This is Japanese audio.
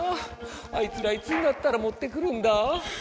あいつらいつになったらもってくるんだ？